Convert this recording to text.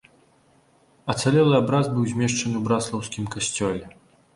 Ацалелы абраз быў змешчаны ў браслаўскім касцёле.